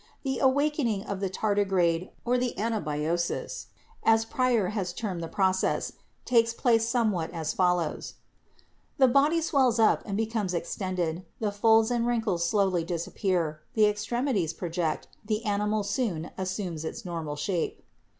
The awakening of the tardigrade or the anabiosis, as Preyer has termed the process, takes place somewhat as follows: The body swells up and be comes extended, the folds and wrinkles slowly disappear, the extremities project and the animal soon assumes its normal shape."